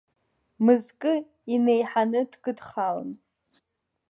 Мызкы инеиҳаны дкыдхалан.